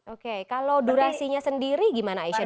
oke kalau durasinya sendiri gimana aisyah